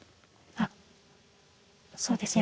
あっそうです。